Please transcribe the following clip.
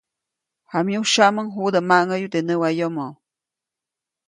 Jamyusyaʼmuŋ judä maʼŋäyu teʼ näwayomo.